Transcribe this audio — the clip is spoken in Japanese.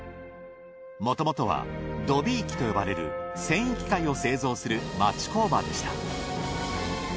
もともとはドビー機と呼ばれる繊維機械を製造する町工場でした。